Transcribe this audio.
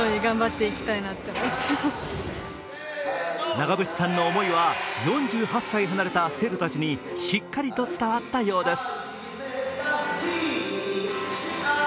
長渕さんの思いは、４８歳離れた生徒たちにしっかりと伝わったようです。